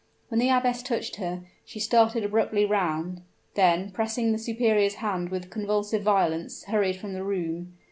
When the abbess touched her, she started abruptly round then, pressing the superior's hand with convulsive violence, hurried from the room.